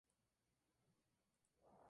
La manera de avanzar era otra.